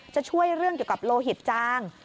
จะช่วยเรื่องเกี่ยวกับโลหิตจาง